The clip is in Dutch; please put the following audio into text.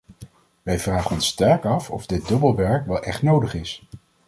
Wij vragen ons sterk af of dit dubbele werk wel echt nodig is.